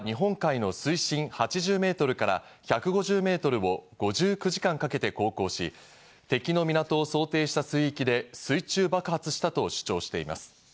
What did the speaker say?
攻撃艇は日本海の水深８０メートルから１５０メートルを５９時間かけて航行し、敵の港を想定した水域で水中爆発したと主張しています。